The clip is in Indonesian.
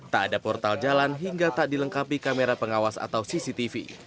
tak ada portal jalan hingga tak dilengkapi kamera pengawas atau cctv